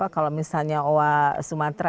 kalau misalnya oha sumatera